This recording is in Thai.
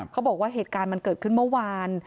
เขาบอกว่าเหตุการณ์มันเกิดขึ้นเมื่อวาน